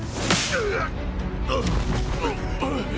うっ。